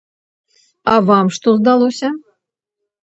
А вам што здалося?